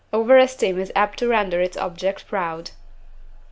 Over esteem is apt to render its object proud.